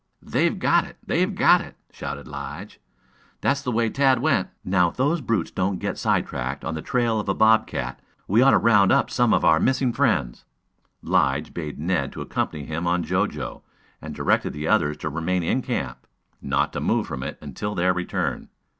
"They've got it! They've got it!" shouted Lige. "That's the way Tad went. Now, if those brutes don't get sidetracked on the trail of a bob cat, we ought to round up some of our missing friends." Lige bade Ned to accompany him on Jo Jo, and directed the others to remain in camp not to move from it until their return.